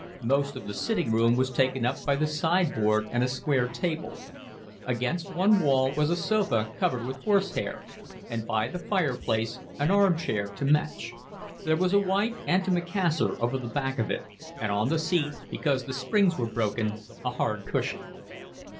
Most of the sitting room was taken up by the sideboard and a square table; against one wall was a sofa covered with horsehair, and by the fireplace an arm chair to match: there was a white antimacassar over the back of it, and on the seat, because the springs were broken, a hard cushion.